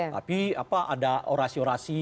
tapi ada orasi orasi